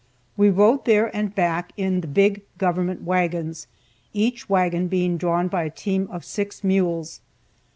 We rode there and back in the big government wagons, each wagon being drawn by a team of six mules.